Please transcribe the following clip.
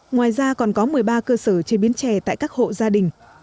ngoài ra còn có một mươi ba cơ sở chế biến chè tại các hộ gia đình